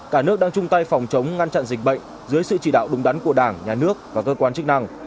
cả nước đang chung tay phòng chống ngăn chặn dịch bệnh dưới sự chỉ đạo đúng đắn của đảng nhà nước và cơ quan chức năng